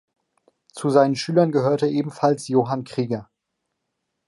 Zu seinen Schülern gehörte ebenfalls Johann Krieger.